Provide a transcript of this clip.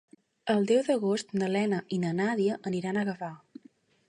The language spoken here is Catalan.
El deu d'agost na Lena i na Nàdia aniran a Gavà.